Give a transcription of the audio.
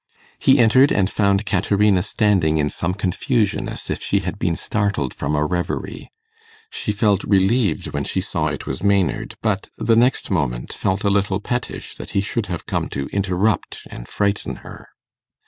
He entered and found Caterina standing in some confusion as if she had been startled from a reverie. She felt relieved when she saw it was Maynard, but, the next moment, felt a little pettish that he should have come to interrupt and frighten her.